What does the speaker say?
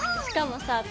しかもさ